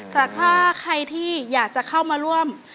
แต่ถ้าใครที่อยากจะเข้ามาร่วม